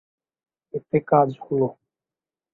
এতে কাজ হল।